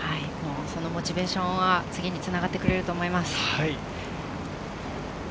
そのモチベーションは次につながってくれると思います。